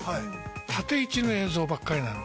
縦位置の映像ばっかりなの。